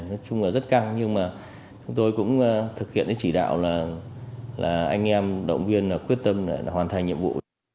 nói chung là rất căng nhưng mà chúng tôi cũng thực hiện cái chỉ đạo là anh em động viên quyết tâm để hoàn thành nhiệm vụ